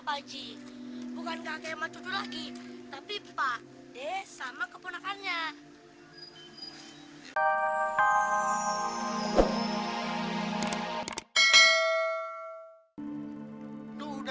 pakji bukan kakek macu lagi tapi pak deh sama keponakannya